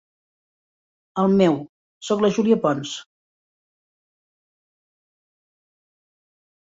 El meu, soc la Júlia Pons.